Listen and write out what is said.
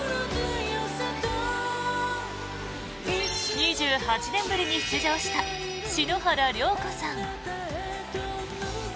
２８年ぶりに出場した篠原涼子さん。